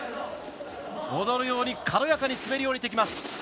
踊るように軽やかに滑り降りてきます。